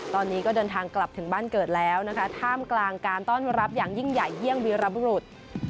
ตอนนี้ก็เดินทางกลับถึงบ้านเกิดแล้วนะคะท่ามกลางการต้อนรับอย่างยิ่งใหญ่เยี่ยมวีรบุรุษ